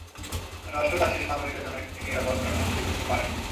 রাষ্ট্র তার শিশু নাগরিকের জন্য একটি নিরাপদ কাঠামো তৈরি করতে পারেনি।